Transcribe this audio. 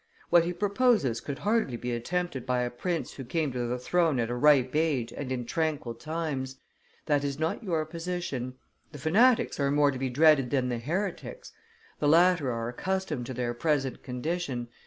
What he proposes could hardly be attempted by a prince who came to the throne at a ripe age and in tranquil times. That is not your position. The fanatics are more to be dreaded than the heretics. The latter are accustomed to their present condition.